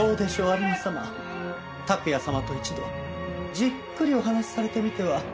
有馬様拓也様と一度じっくりお話しされてみては。